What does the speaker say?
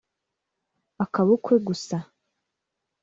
Akaba ukwe ! gusa